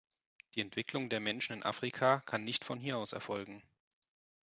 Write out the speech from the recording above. Die Entwicklung der Menschen in Afrika kann nicht von hier aus erfolgen.